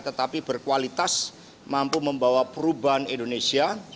tetapi berkualitas mampu membawa perubahan indonesia